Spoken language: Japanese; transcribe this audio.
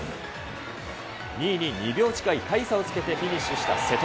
２位に２秒近い大差をつけてフィニッシュした瀬戸。